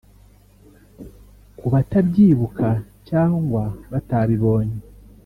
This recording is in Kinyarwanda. Ku batabyibuka cyangwa batabibonye